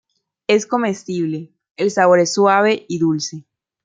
Es comestible, el sabor es suave y dulce.